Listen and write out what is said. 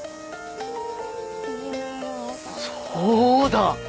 そうだ！